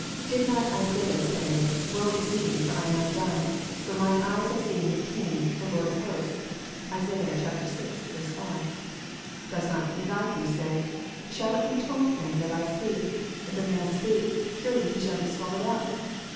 Did not Isaiah say, " Woe is me, for I am undone : for mine eyes have seen the King, the Lord of hosts "? (Isa. vi. 5.) Does not Elihu say, " Shall it be told Him that I speak *? If a man speak, surely he shall be swallowed up